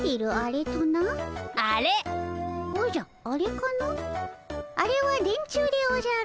あれは電柱でおじゃる。